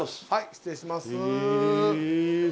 失礼します。